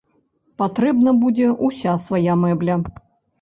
Патрэбна будзе ўся свая мэбля.